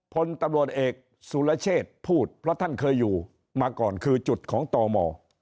พลตำรวจเอกสุรเชษพูดเพราะท่านเคยอยู่มาก่อนคือจุดของตม